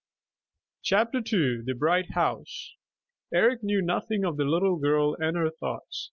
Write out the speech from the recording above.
CHAPTER II THE BRIGHT HOUSE Eric knew nothing of the little girl and her thoughts.